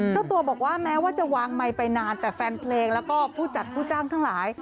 เจ้าตัวบอกว่าแม้ว่าจะวางไมค์ไปนานแต่แฟนเพลงแล้วก็ผู้จัดผู้จ้างทั้งหลาย